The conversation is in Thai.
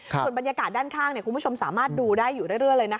ส่วนบรรยากาศด้านข้างคุณผู้ชมสามารถดูได้อยู่เรื่อยเลยนะคะ